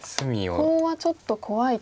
コウはちょっと怖いと。